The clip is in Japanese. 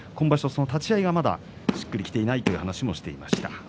その立ち合いがしっくりきていないという話もしていました。